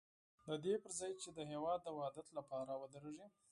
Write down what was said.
د دې پر ځای چې د هېواد د وحدت لپاره ودرېږي.